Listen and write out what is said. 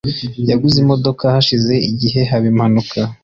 Yaguze imodoka hashize igihe haba impanuka